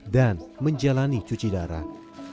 dan menjalani cuci darah